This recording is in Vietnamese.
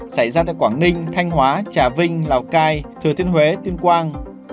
xảy ra tại quảng ninh thanh hóa trà vinh lào cai thừa thiên huế tuyên quang